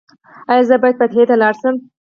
ایا زه باید فاتحې ته لاړ شم؟